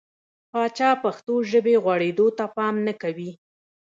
پاچا پښتو ژبې غوړېدو ته پام نه کوي .